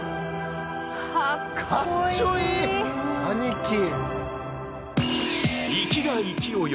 兄貴！